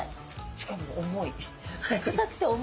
しかも重い。